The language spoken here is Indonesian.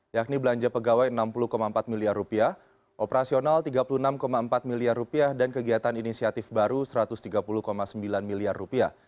yakni belanja pegawai rp enam puluh empat miliar operasional rp tiga puluh enam empat miliar dan kegiatan inisiatif baru satu ratus tiga puluh sembilan miliar rupiah